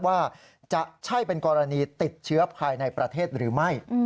ว่าจะใช่เป็นกรณีติดเชื้อภายในประเทศหรือไม่